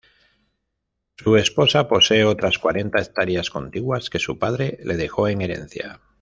Su esposa posee otras cuarenta hectáreas contiguas que su padre le dejó en herencia.